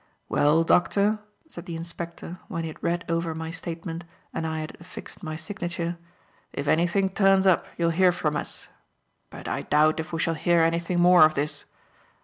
"Well, Doctor," said the inspector, when he had read over my statement and I had affixed my signature, "if anything turns up, you'll hear from us. But I doubt if we shall hear anything more of this.